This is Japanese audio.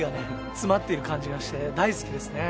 詰まっている感じがして大好きですね。